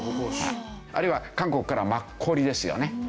あるいは韓国からマッコリですよね。